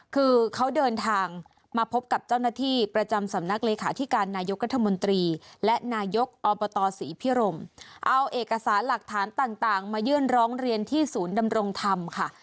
คือเขาเดินทางมาพบกับเจ้าหน้าที่ประจำสำนักเลขาธิการนายกรัฐมนตรีและนายกอบตศรีพิรมเอาเอกสารหลักฐานต่างมายื่นร้องเรียนที่ศูนย์ดำรงธรรมค่ะ